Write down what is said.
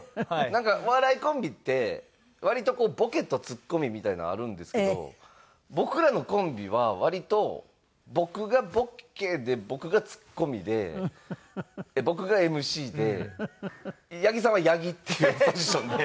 なんかお笑いコンビって割とボケとツッコミみたいなのあるんですけど僕らのコンビは割と僕がボケで僕がツッコミで僕がＭＣで八木さんは「八木」っていうポジションで。